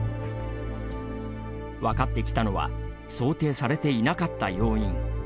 分かってきたのは想定されていなかった要因。